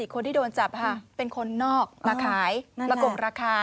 คนที่โดนจับค่ะเป็นคนนอกมาขายมากงราคา